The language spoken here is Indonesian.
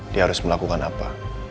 dia harus melakukan apa